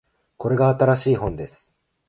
これが新しい本です